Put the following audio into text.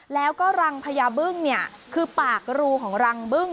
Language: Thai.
แล้วก็รังพญาบึ้งเนี่ยคือปากรูของรังบึ้ง